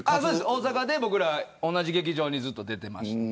大阪で、僕ら同じ劇場にずっと出てました。